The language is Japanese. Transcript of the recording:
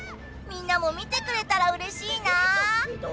みんなも見てくれたらうれしいな！